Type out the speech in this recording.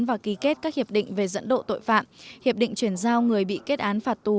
và ký kết các hiệp định về dẫn độ tội phạm hiệp định chuyển giao người bị kết án phạt tù